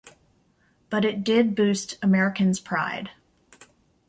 But it did boost Americans pride.